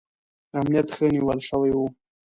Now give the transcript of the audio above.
امنیت ښه نیول شوی و.